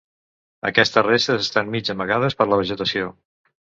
Aquestes restes estan mig amagades per la vegetació.